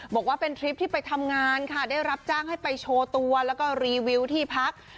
บอกว่าเป็นทริปที่ไปทำงานค่ะได้รับจ้างให้ไปโชว์ตัวแล้วก็รีวิวที่พัก